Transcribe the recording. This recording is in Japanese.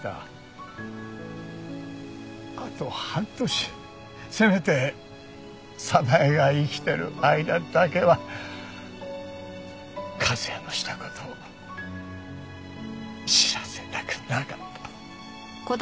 あと半年せめて早苗が生きている間だけは和哉のした事を知らせたくなかった。